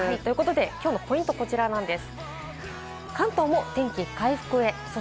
今日のポイント、こちらなんです。